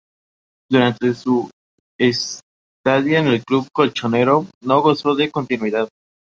Durante su estadía en el club colchonero no gozó de continuidad.